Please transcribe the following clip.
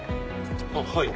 あっはい。